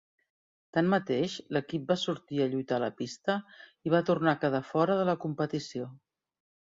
Tanmateix, l'equip va sortir a lluitar a la pista i va tornar a quedar fora de la competició.